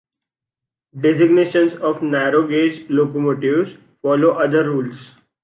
Designations of narrow gauge locomotives follow other rules.